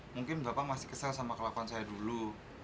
mungkin bapak masih kesel sama kelakuan saya dulu